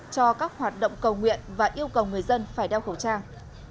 cho các hoạt động cầu nguyện và yêu cầu người dân phải đeo khẩu trang